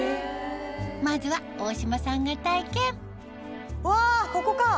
まずは大島さんが体験うわここか。